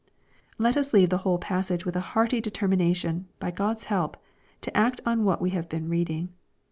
Let us leave the whole passage with a hearty deter mination, by God's help, to act on what we have been reading.